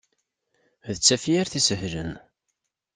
D tafyirt isehlen.